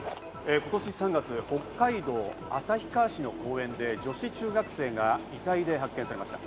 今年３月、北海道旭川市の公園で女子中学生が遺体で発見されました。